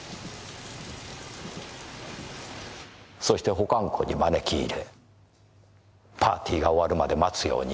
そして保管庫に招き入れパーティーが終わるまで待つように言った。